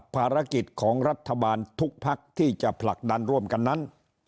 ภารกิจของรัฐบาลทุกพักที่จะผลักดันร่วมกันนั้น